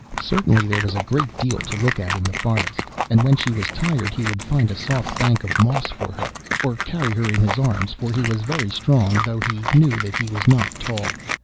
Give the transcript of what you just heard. Certainly there was a great deal to look at in the forest, and when she was tired he would find a soft bank of moss for her, or carry her in his arms, for he was very strong, though he knew that he was not tall.